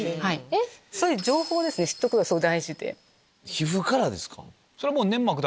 皮膚からですか。